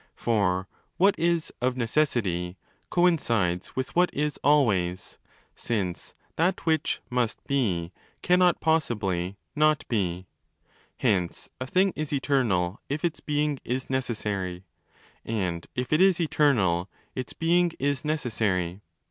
For what is 'of necessity' coincides with what is 'always', 338° since that which 'must be' cannot possibly 'not be'. Hence a thing is eternal if its 'being' is necessary: and if it is eternal, its 'being' is necessary.